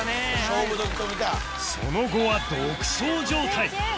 その後は独走状態